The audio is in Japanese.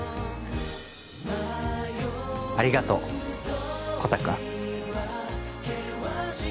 ありがとうコタくん